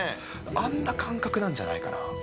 あんな感覚なんじゃないかな。